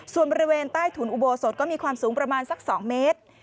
ส่วนบริเวณใต้ถุนอุโบสถก็มีความสูงประมาณสัก๒เมตร